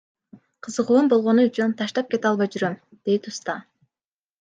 Кызыгуум болгону үчүн таштап кете албай жүрөм, — дейт уста.